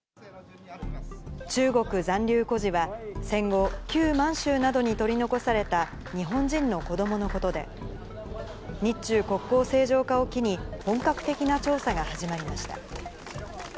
中国残留孤児は、戦後、旧満州などに取り残された日本人の子どものことで、日中国交正常化を機に、本格的な調査が始まりました。